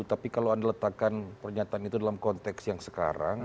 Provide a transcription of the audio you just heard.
tapi kalau anda letakkan pernyataan itu dalam konteks yang sekarang